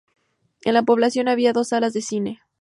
En la población había dos salas de cine.